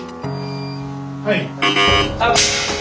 はい。